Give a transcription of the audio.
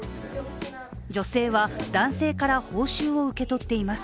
女性は男性から報酬を受け取っています。